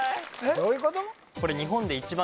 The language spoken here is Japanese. どういうこと？